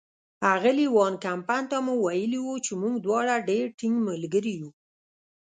اغلې وان کمپن ته مو ویلي وو چې موږ دواړه ډېر ټینګ ملګري یو.